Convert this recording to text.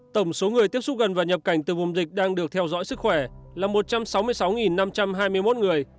tổng số người tiếp xúc gần và nhập cảnh từ vùng dịch đang được theo dõi sức khỏe là một trăm sáu mươi sáu năm trăm hai mươi một người